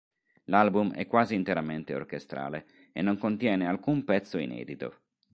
L'album è quasi interamente orchestrale e non contiene alcun pezzo inedito.